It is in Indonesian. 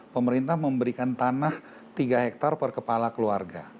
pemerintah memberikan tanah tiga hektare per kepala keluarga